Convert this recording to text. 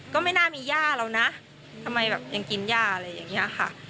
ก็ไม่น่ามีย่าเรานะทำไมแบบยังกินย่าอะไรอย่างนี้ค่ะ